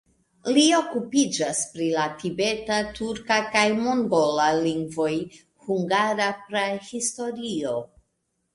Li okupiĝas pri la tibeta, turka kaj mongola lingvoj, hungara prahistorio.